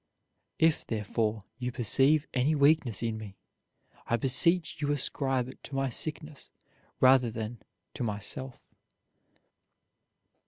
"If, therefore, you perceive any weakness in me, I beseech you ascribe it to my sickness rather than to myself."